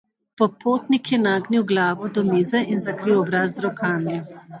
Popotnik je nagnil glavo do mize in zakril obraz z rokami.